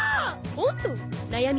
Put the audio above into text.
おっと悩み